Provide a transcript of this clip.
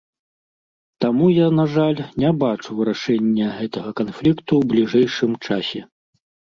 Таму я, на жаль, не бачу вырашэння гэтага канфлікту ў бліжэйшым часе.